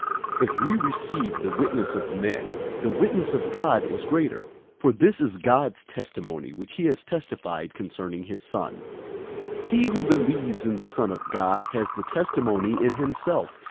005:009 If we receive the witness of men, the witness of God is greater; for this is God's testimony which he has testified concerning his Son. 005:010 He who believes in the Son of God has the testimony in himself.